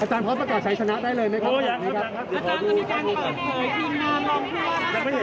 อาจารย์พอประกอบใช้ชนะได้เลยไหมครับ